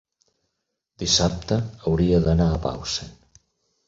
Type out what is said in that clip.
dissabte hauria d'anar a Bausen.